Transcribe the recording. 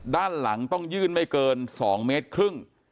ด้านหลังต้องยื่นไม่เกิน๒เมตรครึ่ง